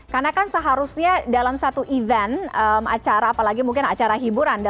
karena kan seharusnya dalam satu acara apalagi mungkin acara hiburan